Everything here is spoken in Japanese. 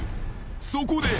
［そこで］